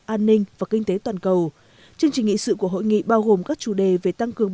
an ninh và kinh tế toàn cầu chương trình nghị sự của hội nghị bao gồm các chủ đề về tăng cường